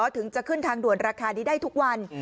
ถึงจะขึ้นทางด่วนราคานี้ได้ทุกวัน